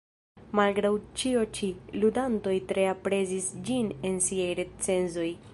Malgraŭ ĉio ĉi, ludantoj tre aprezis ĝin en siaj recenzoj.